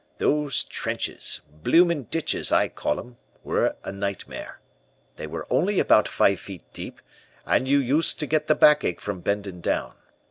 "Those trenches, bloomin' ditches, I call them, were a nightmare. They were only about five feet deep, and you used to get the backache from bending down.